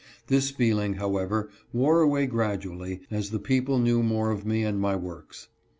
This feeling, however, wore away grad ually, as the people knew more of me and my works.